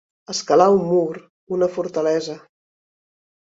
Escalar un mur, una fortalesa.